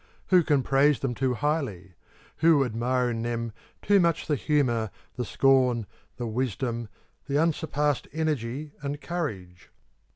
Who can praise them too highly who admire in them too much the humour, the scorn, the wisdom, the unsurpassed energy and courage?